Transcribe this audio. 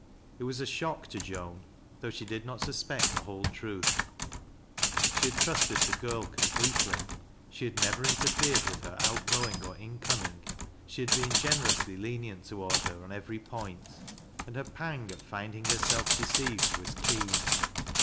It was a shock to Joan, though she did not suspect the whole truth. She had trusted the girl completely ; she had never interfered with her outgoing or incoming ; slie liad been generously lenient toward her on every point, and her pang at finding herself deceived was keen.